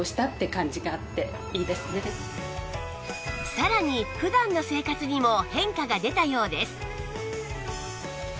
さらに普段の生活にも変化が出たようです